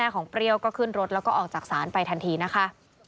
ของเปรี้ยวก็ขึ้นรถแล้วก็ออกจากศาลไปทันทีนะคะ